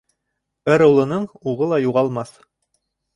Ырыулының уғы ла юғалмаҫ.